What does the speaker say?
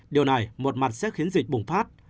điều này một mặt sẽ khiến dịch bùng phát